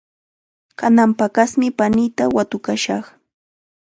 Kanan paqasmi paniita watukashaq.